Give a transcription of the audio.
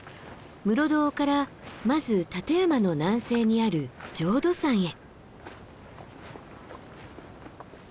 室堂からまず立山の南西にある浄土山へ。